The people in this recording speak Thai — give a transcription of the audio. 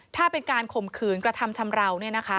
ถ้าเป็นการข่มขืนกระทำชำราว